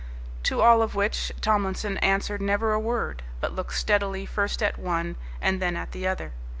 To all of which Tomlinson answered never a word, but looked steadily first at one and then at the other.